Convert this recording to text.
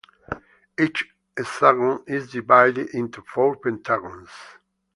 Each hexagon is divided into four pentagons.